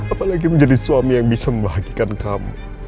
apalagi menjadi suami yang bisa membahagikan kamu